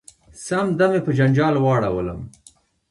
سم دم یې په جنجال واړولم .